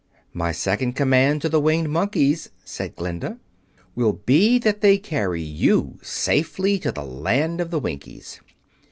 "My second command to the Winged Monkeys," said Glinda "will be that they carry you safely to the land of the Winkies.